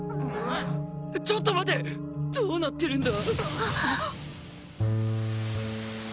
ちょっと待てどうなってるんだ？